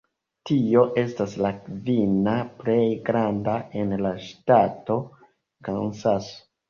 Tio estas la kvina plej granda en la ŝtato Kansaso.